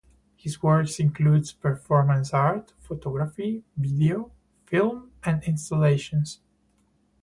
His works includes performance art, photography, video, film and installations.